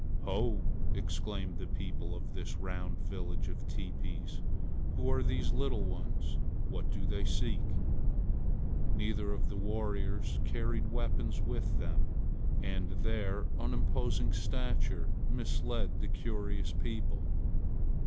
"Ho!" exclaimed the people of this round village of teepees, "Who are these little ones? What do they seek?" Neither of the warriors carried weapons with them, and their unimposing stature misled the curious people.